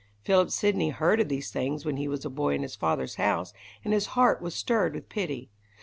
Philip Sidney heard of these things when he was a boy in his father's house, and his heart was stirred with pity.